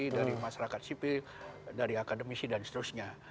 dari masyarakat sipil dari akademisi dan seterusnya